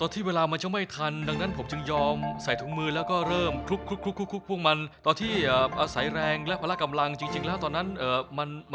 ทีมน้ำเงินเริ่มยกจานกันแล้วนะครับ